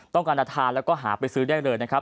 การทานแล้วก็หาไปซื้อได้เลยนะครับ